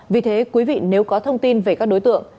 vì thế quý vị nếu có thông tin về các đối tượng